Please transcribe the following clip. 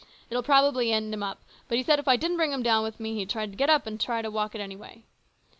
It'll probably end him up, but he said if I didn't bring him down with me he'd get up and try to walk it, anyway.